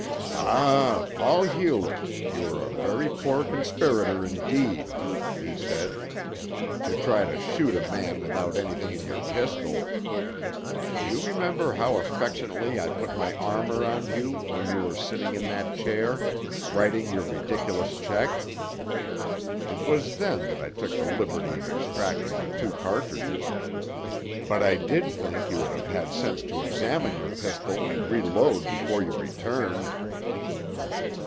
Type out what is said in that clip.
"Ah, Paul Hewlett, you are a very poor conspirator, indeed," he said, "to try to shoot a man without anything in your pistol. Do you remember how affectionately I put my arm round you when you were sitting in that chair writing your ridiculous check? It was then that I took the liberty of extracting the two cartridges. But I did think you would have had sense to examine your pistol and reload before you returned."